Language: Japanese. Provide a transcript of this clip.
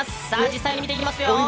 実際に見ていきますよ！